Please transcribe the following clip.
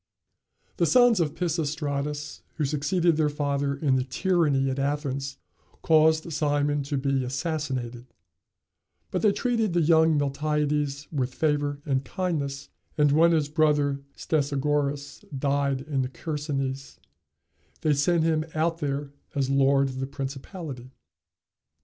] The sons of Pisistratus, who succeeded their father in the tyranny at Athens, caused Cimon to be assassinated; but they treated the young Miltiades with favor and kindness and when his brother Stesagoras died in the Chersonese, they sent him out there as lord of the principality.